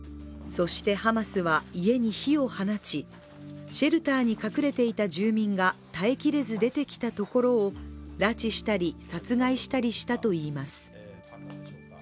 そしてハマスは家に火を放ちシェルターに隠れていた住民が耐えきれず出てきたところを拉致したり殺害したりしたといいます。